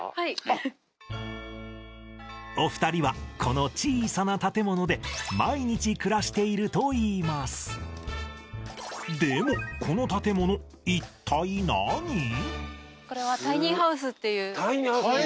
お二人はこの小さな建物で毎日暮らしているといいますでもタイニーハウスですか。